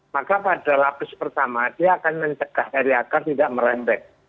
maka pada lapis pertama dia akan mencegah dari agar tidak merembek